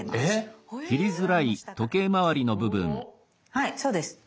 はいそうです。